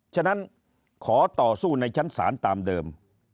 ฉะนั้นขอต่อสู้ในชั้นศาลตามเดิม